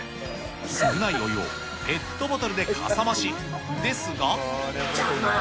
少ないお湯をペットボトルでかさ増しですが。